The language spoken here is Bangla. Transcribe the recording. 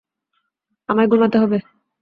আমায় ঘুমাতে হবে।